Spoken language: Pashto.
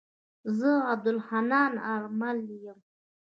زه عبدالحنان آرمل يم.